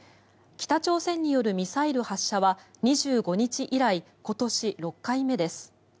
北朝鮮によるミサイル発射は２５日以来今年６回目です。